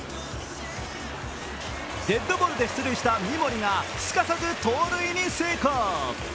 デッドボールで出塁した三森がすかさず盗塁に成功！